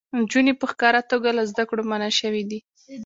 نجونې په ښکاره توګه له زده کړو منع شوې دي.